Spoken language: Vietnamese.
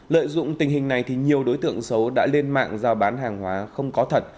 lợi dụng tình hình này thì nhiều đối tượng xấu đã lên mạng giao bán hàng hóa không có thật